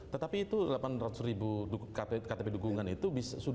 tetapi itu delapan ratus ribu ktp dukungan itu